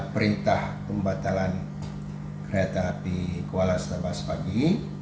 perintah pembatalan kereta api kuala setabas pagi